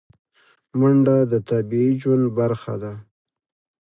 منډه د طبیعي ژوند برخه ده